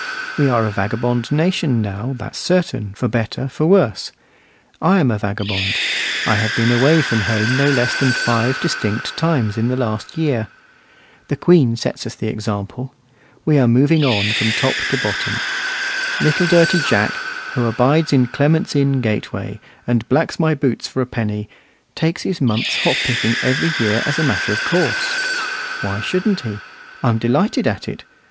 We are a vagabond nation now, that's certain, for better for worse. I am a vagabond; I have been away from home no less than five distinct times in the last year. The Queen sets us the example: we are moving on from top to bottom. Little dirty Jack, who abides in Clement's Inn gateway, and blacks my boots for a penny, takes his month's hop picking every year as a matter of course. Why shouldn't he? I'm delighted at it.